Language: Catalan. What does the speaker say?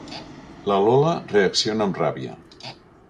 La Lola reacciona amb ràbia.